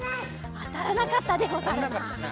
あたらなかったでござるな。